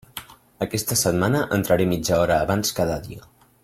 Aquesta setmana entraré mitja hora abans cada dia.